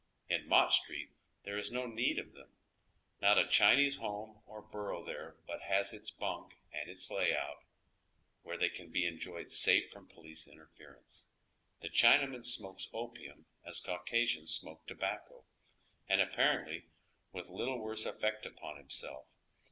In Mott Street there ia no need of them. jSlot a Chinese home or harrow there but has its bunk and its lay ont, where they can be enjoyed saf o from police inter ference. The Chinaman smokes opium as Caucasians smoke tobacco, and apparently with little worse effect npon himself.